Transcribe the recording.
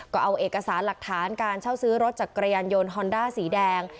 ก็เอาเอกสารหลักฐานการเช่าซื้อรถจักรยานยนต์ฮอนด้าสีแดง